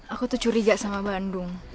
aku tuh curiga sama bandung